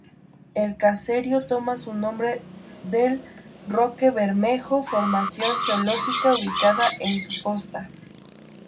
El caserío toma su nombre del Roque Bermejo, formación geológica ubicada en su costa.